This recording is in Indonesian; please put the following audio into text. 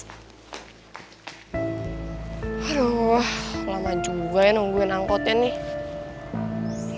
aduh lama juga ya nungguin angkotnya nih